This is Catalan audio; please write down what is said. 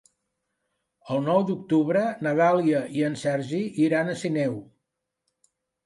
El nou d'octubre na Dàlia i en Sergi iran a Sineu.